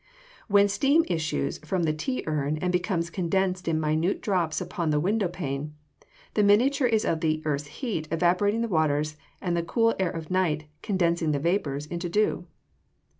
When steam issues from the tea urn, and becomes condensed in minute drops upon the window pane, the miniature is of the earth's heat, evaporating the waters, and the cold air of night condensing the vapours into dew.